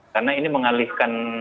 karena ini mengalihkan